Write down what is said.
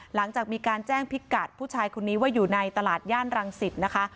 หลังจากมีการแจ้งพิกัดผู้ชายคนนี้ว่าอยู่ในตลาดย่านรังสิตนะคะ